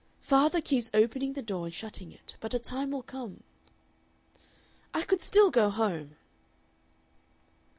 "Father keeps opening the door and shutting it, but a time will come "I could still go home!"